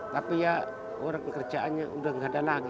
tapi ya orang pekerjaannya sudah tidak ada lagi